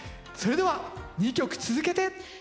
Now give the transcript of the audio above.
それでは２曲続けて。